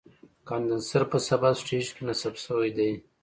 کاندنسر په سب سټیج کې نصب شوی دی.